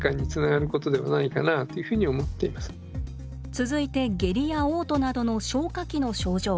続いて下痢やおう吐などの消化器の症状。